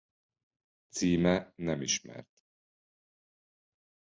Címe nem ismert.